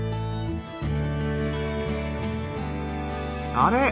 あれ？